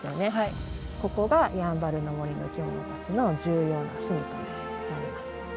ここがやんばるの森の生き物たちの重要なすみかになります。